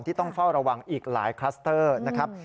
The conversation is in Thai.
ต้องเฝ้าระวังอีกหลายคลัสเตอร์นะครับ